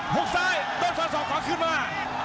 พลุกซ้ายโดนสารสอบความขอยขึ้นมา